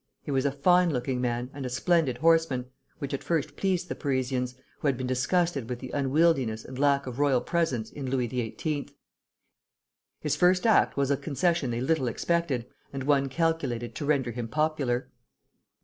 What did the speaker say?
He was a fine looking man and a splendid horseman, which at first pleased the Parisians, who had been disgusted with the unwieldiness and lack of royal presence in Louis XVIII. His first act was a concession they little expected, and one calculated to render him popular.